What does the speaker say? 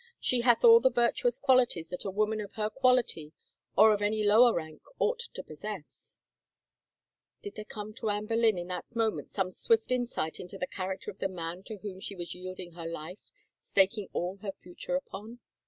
She hath all the virtuous qualities that a woman of her quality, or of any lower rank, ought to possess !" Did there come to Anne Boleyn in that moment some swift insight into the character of the man to whom she was yielding her life, staking all her future upon?